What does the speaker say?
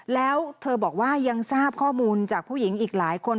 แล้วเธอบอกว่ายังทราบข้อมูลจากผู้หญิงอีกหลายคน